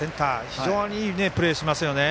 非常にいいプレーしますよね。